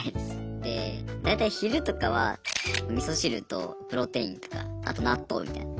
大体昼とかはみそ汁とプロテインとかあと納豆みたいな。